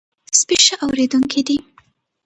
سپي ښه اورېدونکي دي.